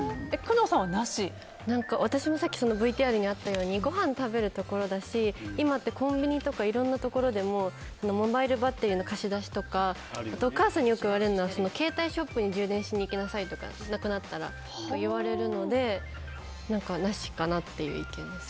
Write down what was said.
私もさっきのＶＴＲにあったようにごはん食べるところだし今だったらコンビニとかいろんなところでモバイルバッテリーの貸し出しとかあと、お母さんによく言われるのは携帯ショップに充電に行きなさいってなくなったらと言われるのでなしかなっていう意見です。